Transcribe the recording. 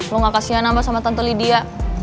lo ga kasihan sama tante lydia